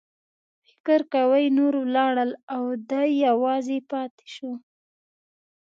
فکر کوي نور ولاړل او دی یوازې پاتې شو.